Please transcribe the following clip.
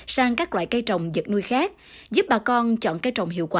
sang các loại cây trồng vật nuôi khác giúp bà con chọn cây trồng hiệu quả